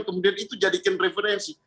kemudian itu jadikan referensi